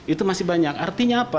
itu masih banyak artinya apa